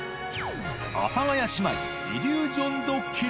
阿佐ヶ谷姉妹イリュージョンドッキリ。